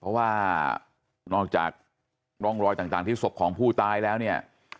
เพราะว่านอกจากร่องรอยต่างที่ศพของผู้ตายแล้วเนี่ย